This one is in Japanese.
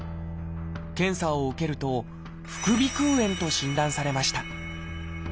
検査を受けると「副鼻腔炎」と診断されました